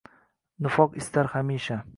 Nifoq istar hamisha».